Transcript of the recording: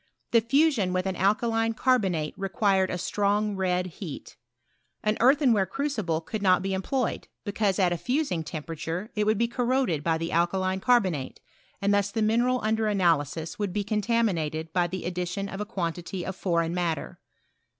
The fusion with an alkaline carbonate required a strong red heat. An earthenware crucible could not be em ployed, because at a fusing temperature it would be corroded by the alkaline carbonate, and thus the mineral under analysis would be contaminated by the addition of a quantity of foreign matter.